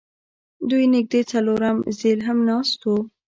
دوی نږدې څلورم ځل هم ناست وو